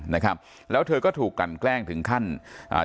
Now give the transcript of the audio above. นะครับแล้วเธอก็ถูกกันแกล้งถึงขั้นอ่า